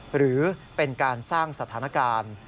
หรือเป็นการสร้างสถานการณ์